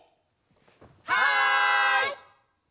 はい！